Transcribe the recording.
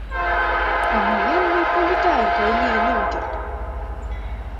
А молан мый Полетаев гай лийын ом керт?»